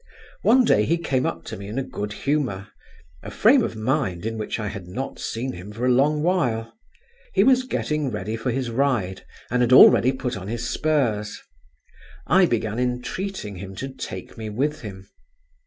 One day he came up to me in a good humour, a frame of mind in which I had not seen him for a long while; he was getting ready for his ride, and had already put on his spurs. I began entreating him to take me with him.